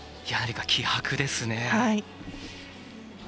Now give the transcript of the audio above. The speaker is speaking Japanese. やはり、気迫ですね。